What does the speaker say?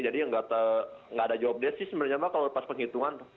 jadi nggak ada jawabnya sih sebenarnya mbak kalau pas penghitungan